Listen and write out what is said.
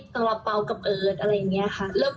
ตลับเบากับเอิร์ทอะไรอย่างนี้ค่ะ